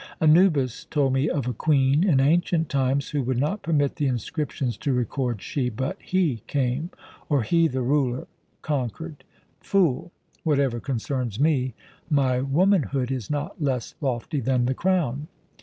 Anubis told me of a queen in ancient times who would not permit the inscriptions to record 'she,' but 'he came,' or 'he, the ruler, conquered.' Fool! Whatever concerns me, my womanhood is not less lofty than the crown.